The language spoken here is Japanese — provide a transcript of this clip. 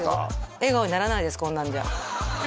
笑顔にならないですこんなんじゃ